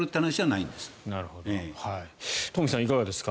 いかがですか。